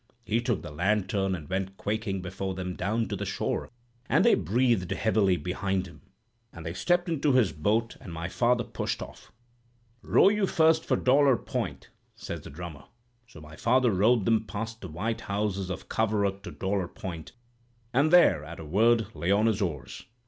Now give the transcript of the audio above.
He took the lantern and went quaking before them down to the shore, and they breathed heavily behind him; and they stepped into his boat, and my father pushed off. "'Row you first for Dolor Point,' says the drummer. So my father rowed them past the white houses of Coverack to Dolor Point, and there, at a word, lay on his oars.